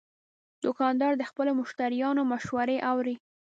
دوکاندار د خپلو مشتریانو مشورې اوري.